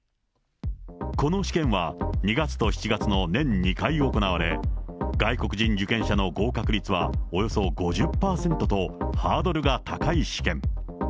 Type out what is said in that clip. この試験は、２月と７月の年２回行われ、外国人受験者の合格率はおよそ５０％と、ハードルが高い試験。